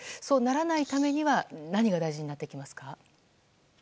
そうならないためには何が大事になってきますか。